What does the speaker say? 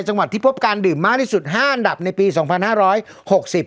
จังหวัดที่พบการดื่มมากที่สุดห้าอันดับในปีสองพันห้าร้อยหกสิบ